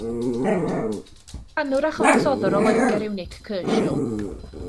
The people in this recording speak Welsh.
Canwr a chyfansoddwr o Loegr yw Nik Kershaw.